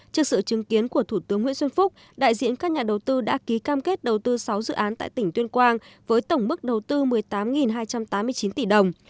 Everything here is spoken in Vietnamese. trước sự chứng kiến của thủ tướng nguyễn xuân phúc đại diện các nhà đầu tư đã ký cam kết đầu tư sáu dự án tại tỉnh tuyên quang với tổng mức đầu tư một mươi tám hai trăm tám mươi chín tỷ đồng